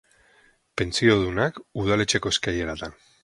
Pentsiodunak, udaletxeko eskaileretan.